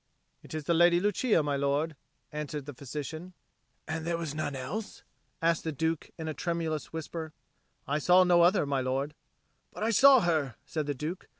"It is the Lady Lucia, my lord," answered the physician. "And there was none else?" asked the Duke in a low tremulous whisper. "I saw no other, my lord." "But I saw her," said the Duke.